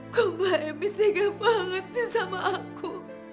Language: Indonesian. kok mbak emi sengat banget sih sama aku